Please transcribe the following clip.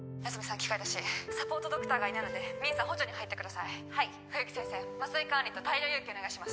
器械出しサポートドクターがいないのでミンさん補助に入ってください冬木先生麻酔管理と大量輸液お願いします